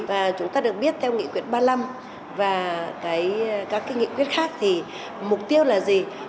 và chúng ta được biết theo nghị quyết ba mươi năm và các nghị quyết khác thì mục tiêu là gì